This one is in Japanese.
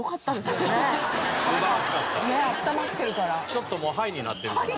ちょっともうハイになってるから。